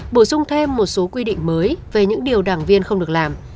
bổ sung thêm một số quy định mới về những điều đảng viên không được làm